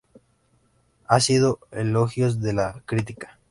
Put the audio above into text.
Ha recibido elogios de la crítica.